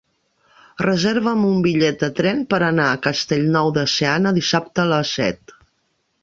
Reserva'm un bitllet de tren per anar a Castellnou de Seana dissabte a les set.